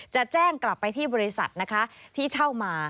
จะแจ้งกลับไปที่บริษัทนะคะที่เช่ามา